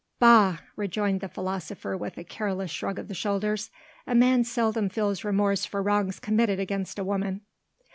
"Bah!" rejoined the philosopher with a careless shrug of the shoulders, "a man seldom feels remorse for wrongs committed against a woman."